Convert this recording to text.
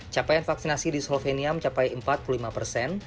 capaian vaksinasi di slovenia mencapai empat puluh lima persen